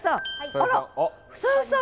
あら房代さん。